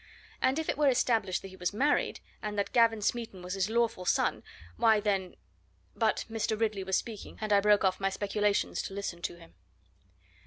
And if it were established that he was married, and that Gavin Smeaton was his lawful son, why, then but Mr. Ridley was speaking, and I broke off my own speculations to listen to him.